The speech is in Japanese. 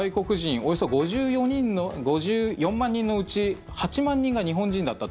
およそ５４万人のうち８万人が日本人だったと。